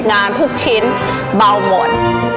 งานทุกชิ้นเบาหมด